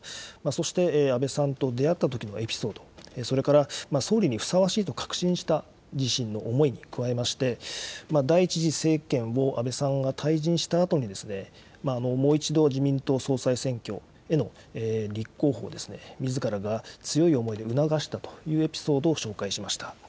そして、安倍さんと出会ったときのエピソード、それから総理にふさわしいと確信した自身の思いに加えまして、第１次政権を安倍さんが退陣したあとに、もう一度、自民党総裁選挙への立候補を、みずからが強い思いで促したというエピソードを紹介しました。